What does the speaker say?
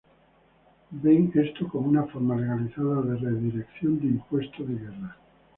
Ven esto como una forma legalizada de redirección de impuesto de guerra.